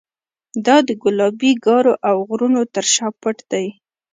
دا د ګلابي ګارو او غرونو تر شا پټ دی.